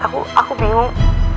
aku aku bingung